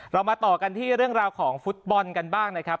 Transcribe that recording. เรามาต่อกันที่เรื่องราวของฟุตบอลกันบ้างนะครับ